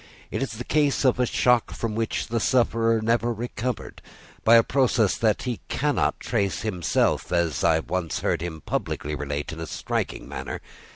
It is the case of a shock from which the sufferer recovered, by a process that he cannot trace himself as I once heard him publicly relate in a striking manner.